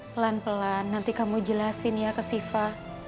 pelan pelan nanti kamu jelasin ya ke siva